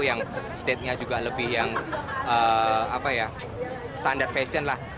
yang state nya juga lebih yang standar fashion lah